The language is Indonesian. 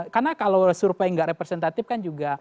karena kalau seupaya enggak representatif kan juga